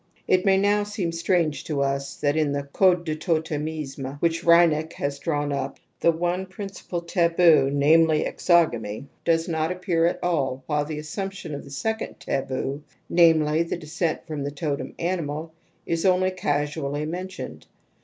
It may now seem strange to us that in the Code du totemisme which Reinach has drawn up the one principal taboo, namely extfgamy, does not appear at all while the assumption of the second taboo, namely the descent from the to tem animal, is only casually mentioned.